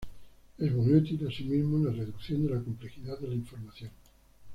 Es muy útil, asimismo, en la reducción de la complejidad de la información.